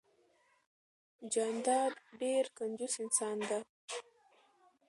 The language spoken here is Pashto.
جانداد ډیررر کنجوس انسان ده